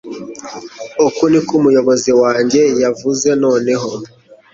Uku niko umuyobozi wanjye yavuze Noneho